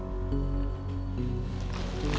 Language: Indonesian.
aku akan menangkap raja